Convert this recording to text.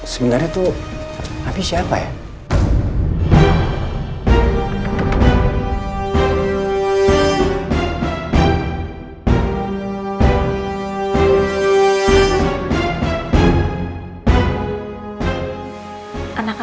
sebenarnya tuh api siapa ya